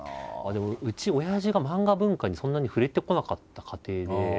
でもうち親父が漫画文化にそんなに触れてこなかった家庭で。